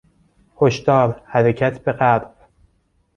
هشدار - حرکت به غرب!